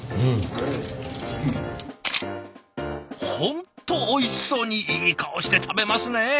本当おいしそうにいい顔して食べますね。